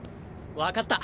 分かった。